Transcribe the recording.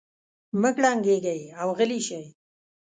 مه کړنګېږئ او غلي شئ.